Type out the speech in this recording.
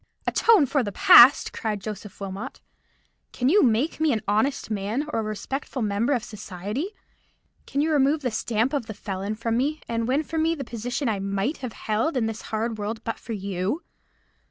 "Atone for the past!" cried Joseph Wilmot. "Can you make me an honest man, or a respectable member of society? Can you remove the stamp of the felon from me, and win for me the position I might have held in this hard world but for you?